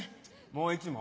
もう１問？